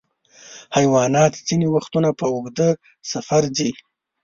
حیوانات ځینې وختونه په اوږده سفر ځي.